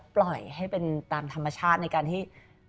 ปล่อยให้เป็นตามธรรมชาติในการที่